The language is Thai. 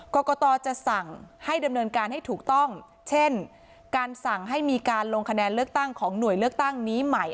กรกตจะสั่งให้ดำเนินการให้ถูกต้องเช่นการสั่งให้มีการลงคะแนนเลือกตั้งของหน่วยเลือกตั้งนี้ใหม่